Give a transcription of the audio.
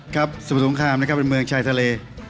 สมุทรสงครามนะครับเป็นเมืองชายทะเล